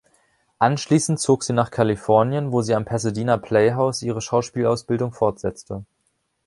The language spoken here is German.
Anschließend zog sie nach Kalifornien, wo sie am Pasadena Playhouse ihre Schauspielausbildung fortsetzte.